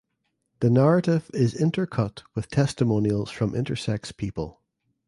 The narrative is intercut with testimonials from intersex people.